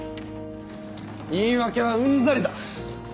言い訳はうんざりだ！